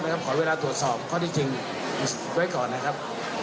ขอเวลาตรวจสอบข้อที่จริงไว้ก่อนนะครับ